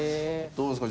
どうですか？